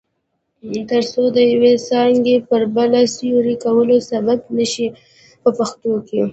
ترڅو د یوې څانګې پر بله د سیوري کولو سبب نشي په پښتو کې.